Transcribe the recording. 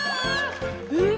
えっ？